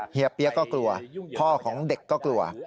เฮียก็กลัวพ่อของเด็กก็กลัว